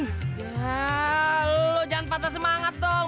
ya lo jangan patah semangat dong